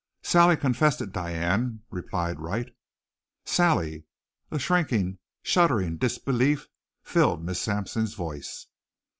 "Sally confessed it, Diane," replied Wright. "Sally!" A shrinking, shuddering disbelief filled Miss Sampson's voice.